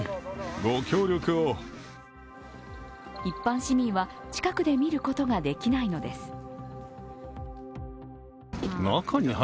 一般市民は近くで見ることができないのです。